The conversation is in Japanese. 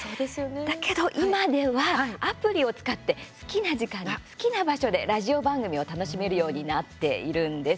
だけど今ではアプリを使って、好きな時間に好きな場所でラジオ番組を楽しめるようになっているんです。